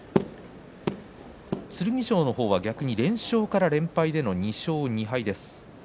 剣翔は逆に連勝から連敗での２勝２敗です。